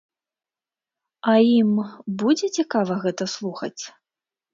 А ім будзе цікава гэта слухаць?